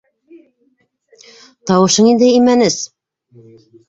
Тауышы ниндәй имәнес!